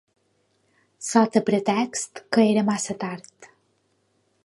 Sota pretext que era massa tard.